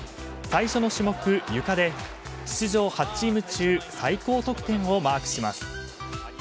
最初の種目、ゆかで出場８チーム中最高得点をマークします。